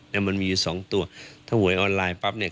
มันมีอยู่สองตัวถ้าหวยออนไลน์ปั๊บเนี่ย